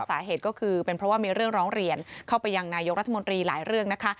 สาเหตุก็คือเป็นเพราะว่ามีเรื่องร้องเรียนเข้าไปยังนายกรัฐมนตรีหลายเรื่องนะคะ